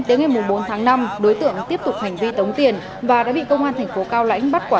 tới ngày bốn tháng năm đối tượng tiếp tục hành vi tống tiền và đã bị công an thành phố cao lãnh bắt quả